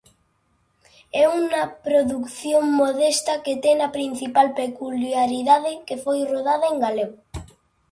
É unha produción modesta que ten a principal peculiaridade que foi rodada en galego.